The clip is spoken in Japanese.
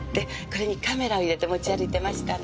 これにカメラを入れて持ち歩いてましたの。